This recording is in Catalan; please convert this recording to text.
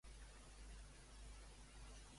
De què és pioner aquest cos celeste?